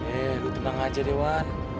eh lu tenang aja dewan